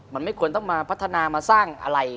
มันไม่ควรต้องมาพัฒนามาสร้างอะไร